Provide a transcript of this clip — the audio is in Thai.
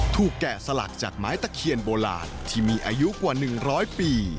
แกะสลักจากไม้ตะเคียนโบราณที่มีอายุกว่า๑๐๐ปี